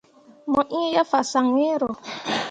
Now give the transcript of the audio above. Mo iŋ ye fasaŋ iŋro.